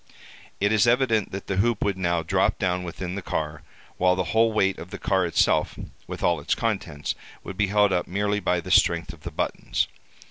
It is evident that the hoop would now drop down within the car, while the whole weight of the car itself, with all its contents, would be held up merely by the strength of the buttons.